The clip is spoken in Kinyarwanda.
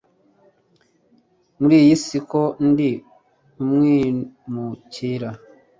muriyisi ko ndi umwimukira